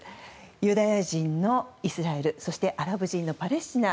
ユダヤ人のイスラエルそして、アラブ人のパレスチナ。